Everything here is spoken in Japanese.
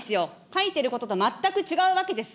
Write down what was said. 書いてることと全く違うわけです。